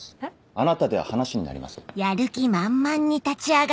あなたでは話になりません。